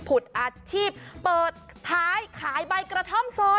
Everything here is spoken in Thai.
ผุดอาชีพเปิดท้ายขายใบกระท่อมสด